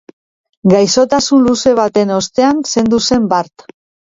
Gaixotasun luze baten ostean zendu zen bart.